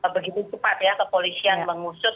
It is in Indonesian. begitu cepat ya kepolisian mengusut